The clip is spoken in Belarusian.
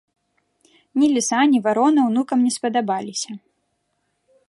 Ні ліса, ні варона ўнукам не спадабаліся.